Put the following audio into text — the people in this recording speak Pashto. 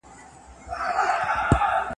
خداى چا نه دئ ليدلی، مگر پر قدرتو ئې پېژني.